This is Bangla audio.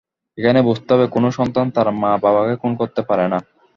এখানে বুঝতে হবে, কোনো সন্তান তার মা-বাবাকে খুন করতে পারে না।